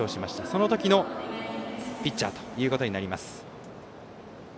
そのときのピッチャーということになります。